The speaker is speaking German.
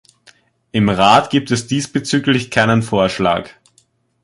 Im Rat gibt es diesbezüglich keinen Vorschlag.